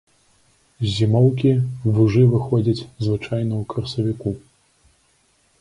З зімоўкі вужы выходзяць звычайна ў красавіку.